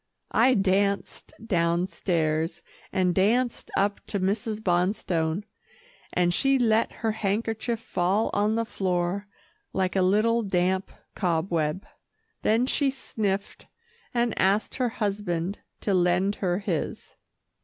I danced downstairs, and danced up to Mrs. Bonstone, and she let her handkerchief fall on the floor like a little damp cobweb. Then she sniffed, and asked her husband to lend her his.